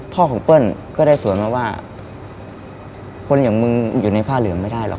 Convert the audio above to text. พ่อของเปิ้ลก็ได้สวนมาว่าคนอย่างมึงอยู่ในผ้าเหลืองไม่ได้หรอก